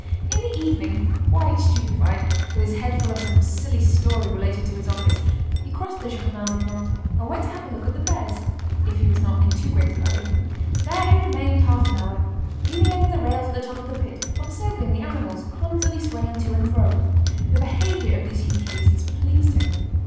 In the evening, quite stupefied, with his head full of some silly story related to his office, he crossed the Jardin des Plantes, and went to have a look at the bears, if he was not in too great a hurry. There he remained half an hour, leaning over the rails at the top of the pit, observing the animals clumsily swaying to and fro. The behaviour of these huge beasts pleased him.